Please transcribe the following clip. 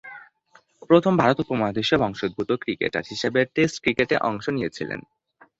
প্রথম ভারত উপমহাদেশীয় বংশোদ্ভূত ক্রিকেটার হিসেবে টেস্ট ক্রিকেটে অংশ নিয়েছেন।